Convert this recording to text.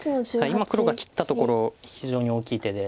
今黒が切ったところ非常に大きい手で。